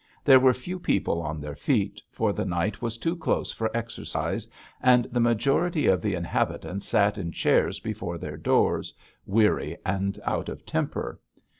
There were few people on their feet, for the night was too close for exercise, and the majority of the inhabitants sat in chairs before their doors, weary and out of temper.